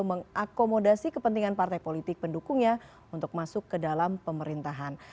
mengakomodasi kepentingan partai politik pendukungnya untuk masuk ke dalam pemerintahan